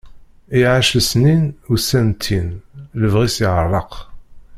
Iɛac lesnin, ussan ttin, lebɣi-s yeɛreq.